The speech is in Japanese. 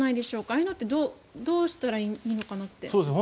ああいうのってどうしたらいいのかなって。